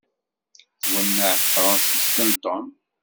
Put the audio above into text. Twenneɛ tefransist n Tom.